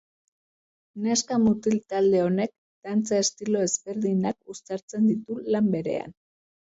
Neska-mutil talde honek dantza estilo ezberdinak uztartzen ditu lan berean.